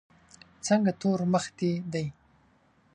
څنګه تور مخ دي دی.